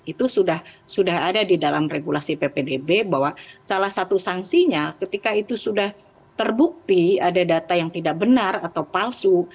itu sudah ada di dalam regulasi ppdb bahwa salah satu sanksinya ketika itu sudah terbukti ada data yang tidak benar atau palsu